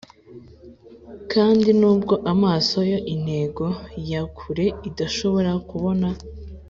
kandi nubwo amaso ye intego ya kure idashobora kubona,